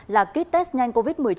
là kit test nhanh covid một mươi chín